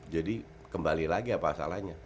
jadi kembali lagi apa salahnya